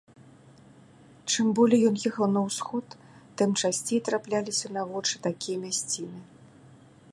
Чым болей ён ехаў на ўсход, тым часцей трапляліся на вочы такія мясціны.